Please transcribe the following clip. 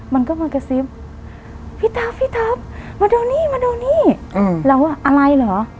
มันก็มากระซิบพี่ทัพมาดูนี่อะไรเหรอ